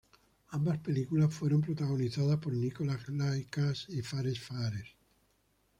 Ambas películas fueron protagonizadas por Nikolaj Lie Kaas y Fares Fares.